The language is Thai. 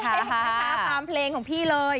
นะคะตามเพลงของพี่เลย